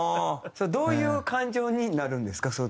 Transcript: それどういう感情になるんですか？